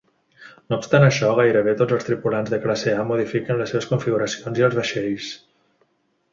No obstant això, gairebé tots els tripulants de classe A modifiquen les seves configuracions i els vaixells.